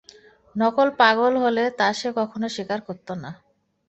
নকল পাগল হলে তা সে কখনো স্বীকার করত না।